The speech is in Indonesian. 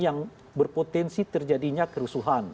yang berpotensi terjadinya kerusuhan